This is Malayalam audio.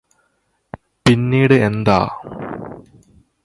പിന്നീട് എന്താ